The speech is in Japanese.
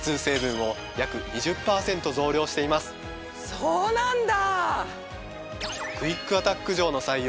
そうなんだ。